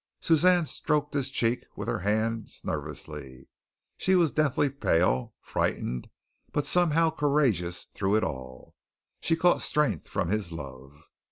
Suzanne stroked his cheek with her hands nervously. She was deathly pale, frightened, but somehow courageous through it all. She caught strength from his love.